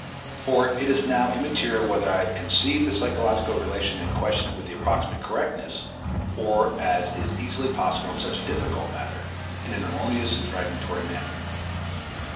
For it is now immaterial whether I have conceived the psychological relations in question with approximate correctness, or, as is easily possible in such a difficult matter, in an erroneous and fragmentary manner.